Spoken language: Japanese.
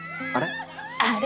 あれ？